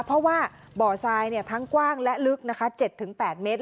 เพราะว่าบ่อทรายทั้งกว้างและลึกนะคะ๗๘เมตร